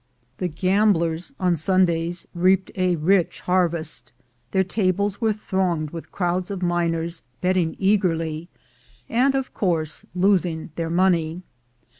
The gamblers on Sundays reaped a rich harvest; their tables were thronged with crowds of miners, betting eagerly, and of course losing their money.